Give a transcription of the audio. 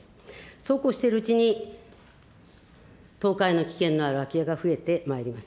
そうこうしているうちに、倒壊の危険がある空き家が増えてまいります。